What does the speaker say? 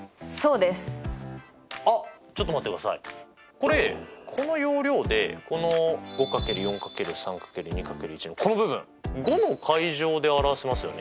これこの要領でこの５×４×３×２×１のこの部分５！で表せますよね。